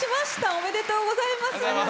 おめでとうございます！